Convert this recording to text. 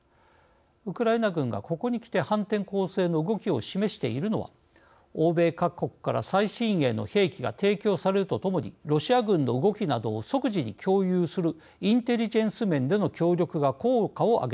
ウクライナ軍がここにきて反転攻勢の動きを示しているのは欧米各国から最新鋭の兵器が提供されるとともにロシア軍の動きなどを即時に共有するインテリジェンス面での協力が効果を上げていること。